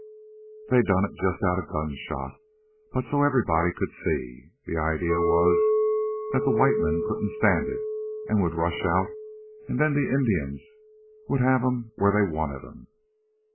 They done it just out of gunshot, but so everybody could see. The idea was that the white men couldn't stand it, an' would rush out, an' then the Indians'd have 'em where they wanted 'em.